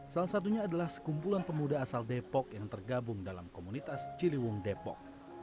salah satunya adalah sekumpulan pemuda asal depok yang tergabung dalam komunitas ciliwung depok